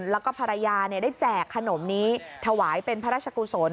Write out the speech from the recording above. แล้วก็ภรรยาได้แจกขนมนี้ถวายเป็นพระราชกุศล